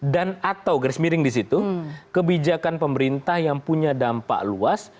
dan atau garis miring di situ kebijakan pemerintah yang punya dampak luas